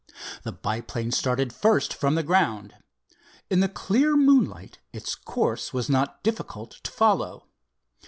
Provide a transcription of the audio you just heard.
The biplane started first from the ground. In the clear moonlight its course was not difficult to follow.